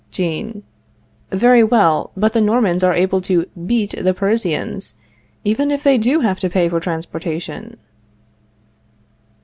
Jean. Very well; but the Normans are able to beat the Parisians, even if they do have to pay for transportation.